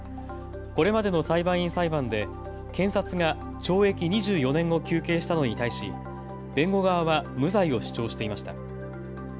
これまでの裁判員裁判で検察が懲役２４年を求刑したのに対し弁護側は無罪を主張していました。